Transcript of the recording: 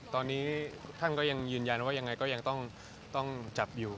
ตอนนี้ท่านก็ยังยืนยันว่ายังไงก็ยังต้องจับอยู่